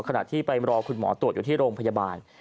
ขณะที่ไปรอคุณหมอตรวจอยู่ที่โรงพยาบาล